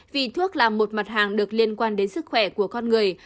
vì thuốc là một mặt hàng được liên quan đến sức khỏe của con người